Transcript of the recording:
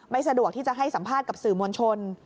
สะดวกที่จะให้สัมภาษณ์กับสื่อมวลชน